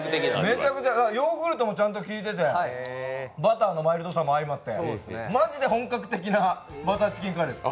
ヨーグルトもちゃんと効いててバターのマイルドさもあいまってマジで本格的なバターチキンカレーです。